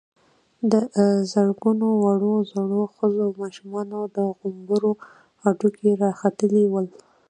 د زرګونو وړو_ زړو، ښځو او ماشومانو د غومبرو هډوکي را ختلي ول.